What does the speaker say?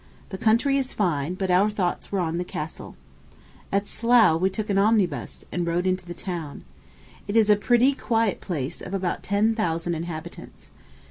The country is fine; but our thoughts were on the castle. At Slough we took an omnibus, and rode into the town. It is a pretty, quiet place, of about ten thousand inhabitants.